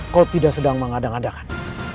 kok tidak sedang mengadang adakan